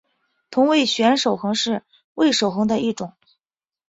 同位旋守恒是味守恒的一种。